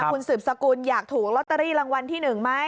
คุณสืบสกุลอยากถูกลอตเตอรี่รางวัลที่๑ไหม